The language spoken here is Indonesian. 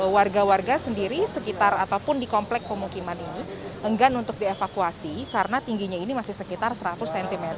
warga warga sendiri sekitar ataupun di komplek pemukiman ini enggan untuk dievakuasi karena tingginya ini masih sekitar seratus cm